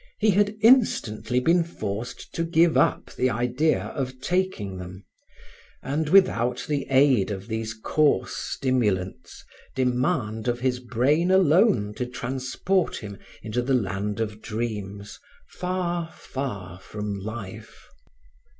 He had instantly been forced to give up the idea of taking them, and without the aid of these coarse stimulants, demand of his brain alone to transport him into the land of dreams, far, far from life.